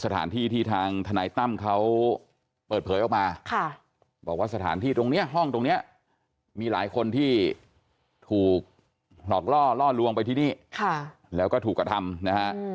ที่ถูกหลอกล่อล่อลวงไปที่นี่แล้วก็ถูกกระทำนะฮะ